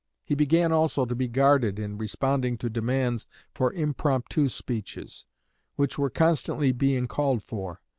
He began also to be guarded in responding to demands for impromptu speeches, which were constantly being called for.